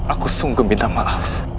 aku sungguh minta maaf